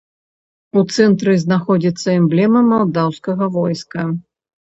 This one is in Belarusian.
У цэнтры знаходзіцца эмблема малдаўскага войска.